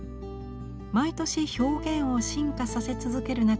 毎年表現を進化させ続ける中